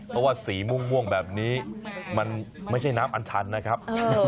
เพราะว่าสีม่วงแบบนี้มันไม่ใช่น้ำอันชันนะครับ